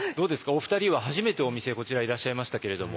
お二人は初めてお店こちらいらっしゃいましたけれども。